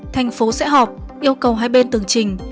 thành phố sẽ họp yêu cầu hai bên tường trình